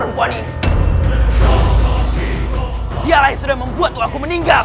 dialah yang sudah membuat waktu meninggal